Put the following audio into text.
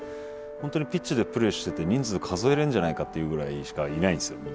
本当にピッチでプレーしてて人数数えれんじゃないかっていうぐらいしかいないんですよ